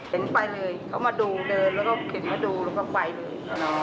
เห็นไปเลยเขามาดูเดินแล้วก็เข็นมาดูแล้วก็ไปเลย